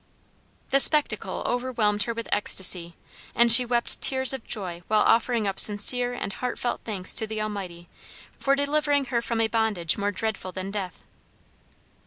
The spectacle overwhelmed her with ecstasy, and she wept tears of joy while offering up sincere and heartfelt thanks to the Almighty for delivering her from a bondage more dreadful than death.